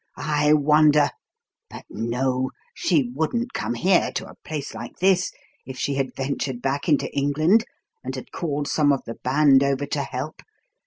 I wonder! But no she wouldn't come here, to a place like this, if she had ventured back into England and had called some of the band over to help.